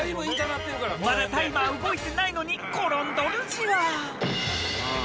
まだタイマー動いてないのに転んどるじわ。